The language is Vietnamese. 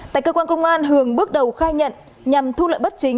tại cơ quan công an hường bước đầu khai nhận nhằm thu lợi bất chính